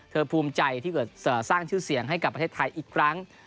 ภูมิใจที่เกิดสร้างชื่อเสียงให้กับประเทศไทยอีกครั้ง